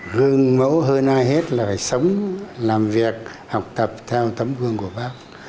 gương mẫu hơn ai hết là phải sống làm việc học tập theo tấm gương của bác